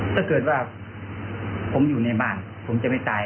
เพราะเป็นบ้านพ่อแม่ด้วย